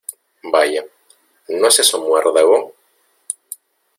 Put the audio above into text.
Vaya, ¿ no es eso muérdago?